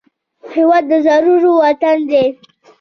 هېواد د زړورو وطن دی